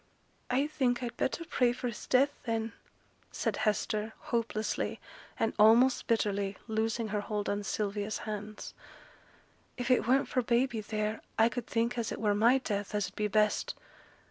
'I think I'd better pray for his death, then,' said Hester, hopelessly, and almost bitterly, loosing her hold of Sylvia's hands. 'If it weren't for baby theere, I could think as it were my death as 'ud be best.